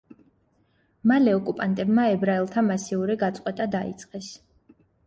მალე ოკუპანტებმა ებრაელთა მასიური გაწყვეტა დაიწყეს.